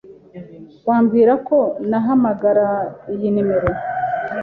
Wambwira uko nahamagara iyi nimero?